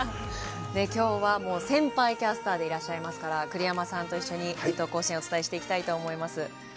きょうはもう先輩キャスターでいらっしゃいますから栗山さんと一緒に熱闘甲子園をお伝えしていきたいと思います。